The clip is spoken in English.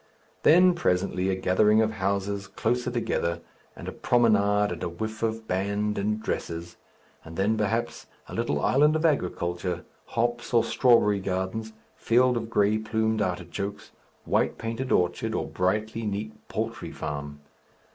Then presently a gathering of houses closer together, and a promenade and a whiff of band and dresses, and then, perhaps, a little island of agriculture, hops, or strawberry gardens, fields of grey plumed artichokes, white painted orchard, or brightly neat poultry farm.